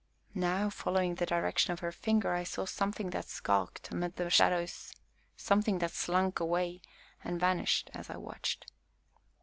Now, following the direction of her finger, I saw something that skulked amid the shadows something that slunk away, and vanished as I watched.